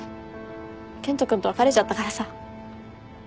健人君と別れちゃったからさ。